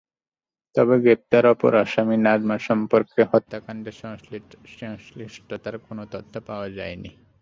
তবে গ্রেপ্তার অপর আসামি নাজমা সম্পর্কে হত্যাকাণ্ডে সংশ্লিষ্টতার কোনো তথ্য পাওয়া যায়নি।